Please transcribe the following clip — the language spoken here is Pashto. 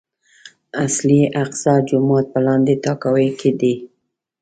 اصلي اقصی جومات په لاندې تاكاوۍ کې دی.